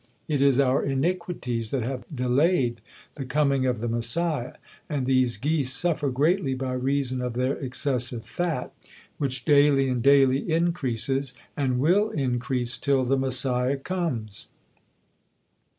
It is our iniquities that have delayed the coming of the Messiah; and these geese suffer greatly by reason of their excessive fat, which daily and daily increases, and will increase till the Messiah comes!"